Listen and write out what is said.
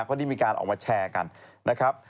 เขาได้มีการออกมาแชร์กันนะครับ